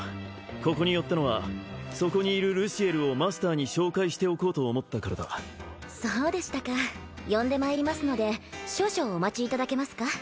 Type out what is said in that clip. ここに寄ったのはそこにいるルシエルをマスターに紹介しておこうと思ったからだそうでしたか呼んでまいりますので少々お待ちいただけますか？